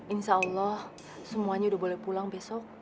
insya allah semuanya udah boleh pulang besok